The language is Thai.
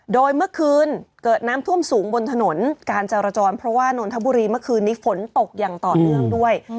โดยเมื่อคืนเกิดน้ำท่วมสูงบนถนนการจรจรเพราะว่านนทบุรีเมื่อคืนนี้ฝนตกอย่างต่อเนื่องด้วย